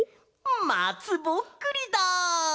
まつぼっくりだ！